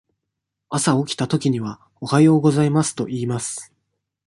朝起きたときには「おはようございます」と言います。